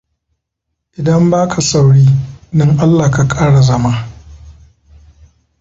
Idan baka sauri, dan Allah ka kara zama.